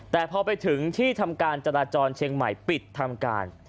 แต่พอไปถึงที่ทำการจราจรเชียงใหม่ปิดทำการ